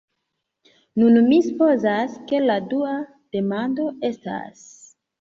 Nun, mi supozas, ke la dua demando estas: